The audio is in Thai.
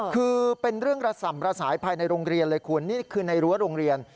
คือเป็นเรื่องระส่ำระสายภายในโรงเรียนเลยคุณนี่คือในรั้วโรงเรียน